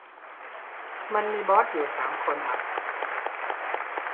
มันมีบอสอยู่สามคนอะ